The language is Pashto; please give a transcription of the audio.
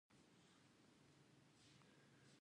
افغانستان کې قومونه د هنر په اثار کې منعکس کېږي.